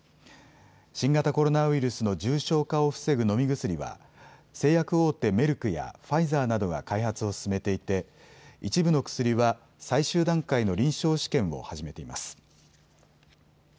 新型コロナウイルスの重症化を防ぐ飲み薬は製薬大手、メルクやファイザーなどが開発を進めていて一部の薬は最終段階の臨床試験を始めています。